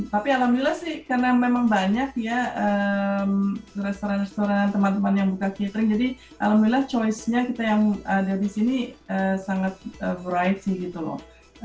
tapi alhamdulillah sih karena memang banyak ya restoran restoran teman teman yang buka catering jadi alhamdulillah choice nya kita yang ada di sini sangat bright sih gitu loh